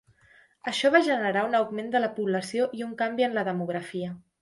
Això va generar un augment de la població i un canvi en la demografia.